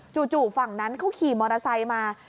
จู่ฝั่งนั้นเขาขี่มอเตอร์ไซค์มา